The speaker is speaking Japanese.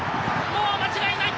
もう間違いない。